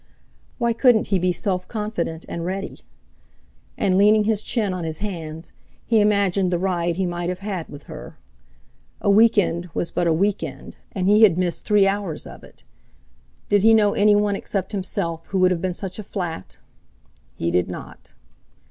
Why couldn't he be self confident and ready? And, leaning his chin on his hands, he imagined the ride he might have had with her. A week end was but a week end, and he had missed three hours of it. Did he know any one except himself who would have been such a flat? He did not.